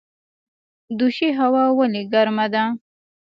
دوشي هوا ولې ګرمه ده؟